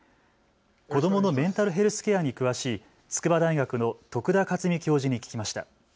子どものメンタルヘルスケアに詳しい筑波大学の徳田克己教授に聞きました。